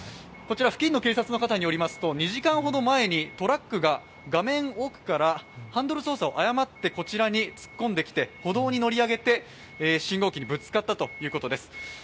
こちら、付近の警察の方によりますと、２時間ほど前にトラックが画面奥からハンドル操作を誤って歩道に乗り上げて信号機にぶつかったということです。